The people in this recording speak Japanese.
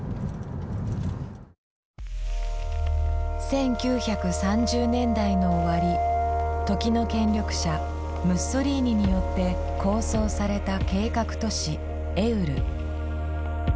１９３０年代の終わり時の権力者ムッソリーニによって構想された計画都市エウル。